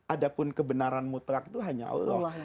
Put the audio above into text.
adapun kebenaran mutlak itu hanya allah